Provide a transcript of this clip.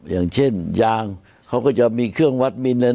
อย่างเช่นยางเขาก็จะมีเครื่องวัดมินอะไร